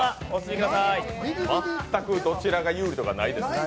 全くどちらが有利とかないです